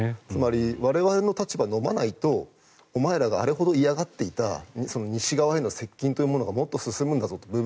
つまり我々の立場をのまないとお前らがあれほど嫌がっていた西側への接近というものがもっと進むんだぞと。